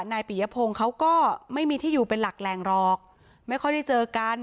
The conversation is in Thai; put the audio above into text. นายปียพงศ์เขาก็ไม่มีที่อยู่เป็นหลักแหล่งหรอกไม่ค่อยได้เจอกัน